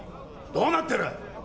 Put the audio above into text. どうなってる！